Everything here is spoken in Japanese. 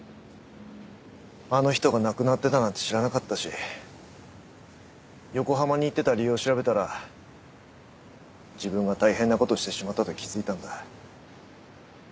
あの人が亡くなってたなんて知らなかったし横浜に行ってた理由を調べたら自分が大変な事をしてしまったと気づいたんだ。